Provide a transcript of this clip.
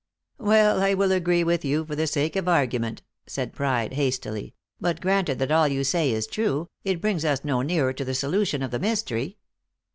"Well, I will agree with you for the sake of argument;" said Pride hastily; "but granted that all you say is true, it brings us no nearer the solution of the mystery.